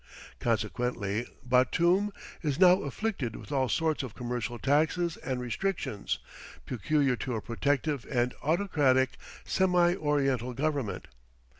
Consequently, Batoum is now afflicted with all sorts of commercial taxes and restrictions, peculiar to a protective and autocratic semi Oriental government.